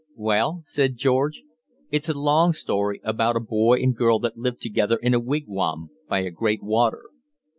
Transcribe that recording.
"Well," said George, "it's a long story about a boy and girl that lived together in a wigwam by a great water.